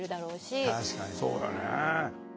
確かにそうだね。